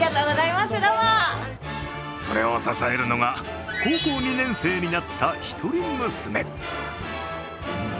それを支えるのが高校２年生になった一人娘。